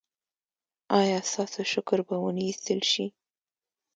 ایا ستاسو شکر به و نه ویستل شي؟